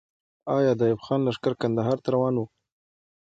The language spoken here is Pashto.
آیا د ایوب خان لښکر کندهار ته روان وو؟